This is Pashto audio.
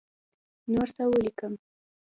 نور څه ولیکم.